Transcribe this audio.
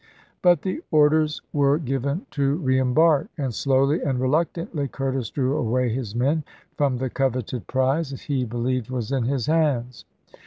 But the orders were given to reembark, and slowly and reluctantly Curtis drew away his men from the coveted prize 64 ABRAHAM LINCOLN chap. hi. he believed was in his hands.